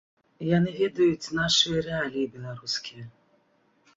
Яны ведаюць нашыя рэаліі беларускія.